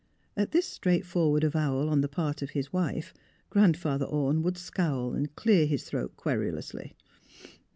At this straightforward avowal on the part of his wife Grandfather Orne would scowl and clear his throat querulously.